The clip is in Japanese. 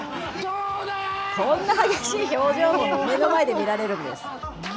こんな激しい表情も目の前で見られるんです。